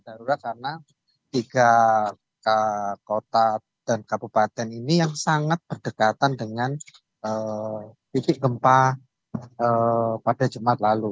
darurat karena tiga kota dan kabupaten ini yang sangat berdekatan dengan titik gempa pada jumat lalu